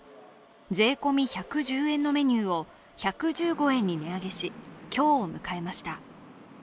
税込み１１０円のメニューを１１５円に値上げし今日を迎えました。